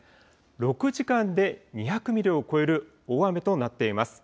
６時間で２００ミリを超える大雨となっています。